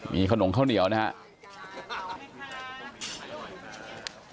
มีขนมข้าวเหนียวนะครับ